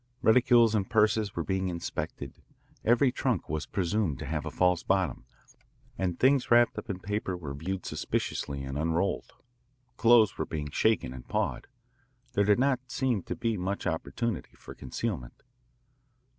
Reticules and purses were being inspected. Every trunk was presumed to have a false bottom, and things wrapped up in paper were viewed suspiciously and unrolled. Clothes were being shaken and pawed. There did not seem to be much opportunity for concealment.